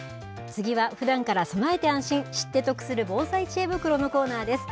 次は、ふだんから備えて安心、知って得する防災知恵袋のコーナーです。